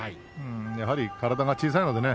やはり体が小さいのでね